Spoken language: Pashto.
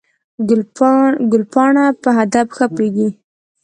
ګلپاڼه په هدف ښه پوهېږي.